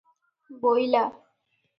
ବୋଇଲା--